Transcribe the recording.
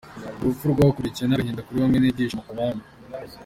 Uru rupfu rwakurikiwe n’agahinda kuri bamwe n’ibyishimo ku bandi.